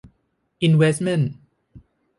อินเวสต์เมนต์